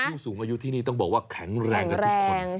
ผู้สูงอายุที่นี่ต้องบอกว่าแข็งแรงกับทุกคน